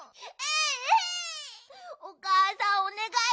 おかあさんおねがい。